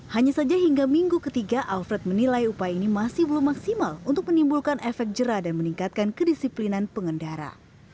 hanya saja hingga minggu ketiga alfred menilai upaya ini masih belum maksimal untuk menimbulkan efek jerah dan meningkatkan kedisiplinan pengendara